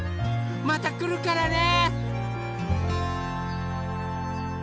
またくるからね！